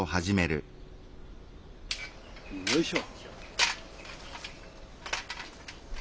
よいしょ！